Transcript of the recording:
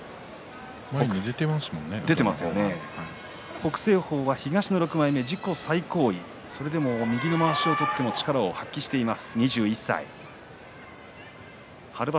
北青鵬は東の６枚目、自己最高位それでも右のまわしを取っても力を発揮しています。